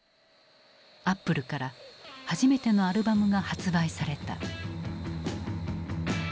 アップルから初めてのアルバムが発売された。